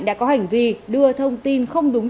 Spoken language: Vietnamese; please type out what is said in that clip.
đã có hành vi đưa thông tin không đúng